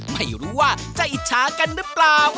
ไม่รู้ว่าจะอิจฉากันหรือเปล่า